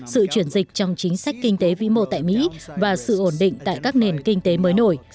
sự chuyển dịch trong chính sách kinh tế vĩ mô tại mỹ và sự ổn định tại các nền kinh tế mới nổi